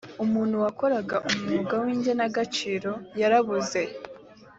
umuntu wakoraga umwuga w ‘igenagaciro yarabuze.